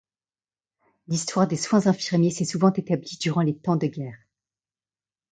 L'histoire des soins infirmiers s'est souvent établie durant les temps de guerre.